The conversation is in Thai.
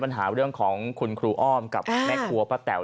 ปัญหาเรื่องของคุณครูอ้อมกับแม่ครัวป้าแต๋ว